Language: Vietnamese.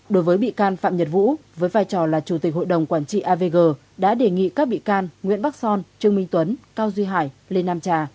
đối với bị can phạm nhật vũ với vai trò là chủ tịch hội đồng quản trị avg đã đề nghị các bị can nguyễn bắc son trương minh tuấn cao duy hải lê nam trà